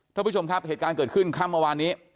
ท่านผู้ชมครับเหตุการณ์เกิดขึ้นค่ำเมื่อวานนี้